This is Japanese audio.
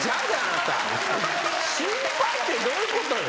心配ってどういうことよ。